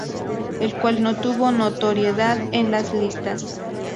El cual no obtuvo notoriedad en las listas.